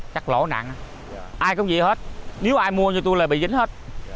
chắc lỗ nặng ai cũng vậy hết nếu ai mua cho tôi là bị dính hết